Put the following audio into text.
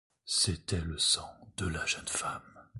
C’était le sang de la jeune femme.